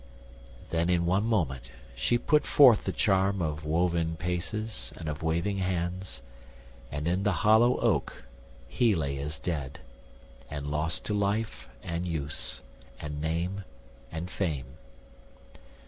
Then, in one moment, she put forth the charm Of woven paces and of waving hands, And in the hollow oak he lay as dead, And lost to life and use and name and fame.